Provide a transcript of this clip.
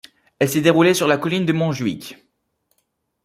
Elle s'est déroulée sur la colline de Montjuïc.